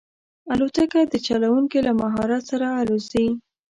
الوتکه د چلونکي له مهارت سره الوزي.